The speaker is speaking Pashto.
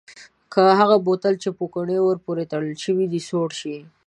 که هغه بوتل چې پوکڼۍ ور پورې تړل شوې سوړ شي؟